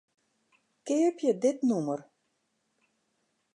Keapje dit nûmer.